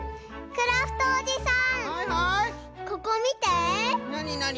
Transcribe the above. クラフトおじさん！